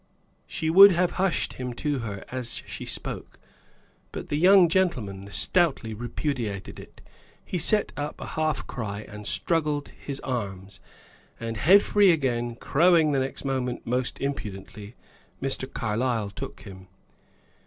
She would have hushed him to her as she spoke, but the young gentleman stoutly repudiated it. He set up a half cry, and struggled his arms, and head free again, crowing the next moment most impudently. Mr. Carlyle took him.